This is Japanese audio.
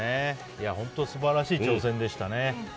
本当素晴らしい挑戦でしたね。